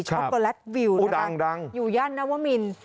็อกโกแลตวิวดังอยู่ย่านนวมิน